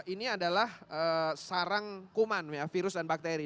ini adalah sarang kuman virus dan bakteri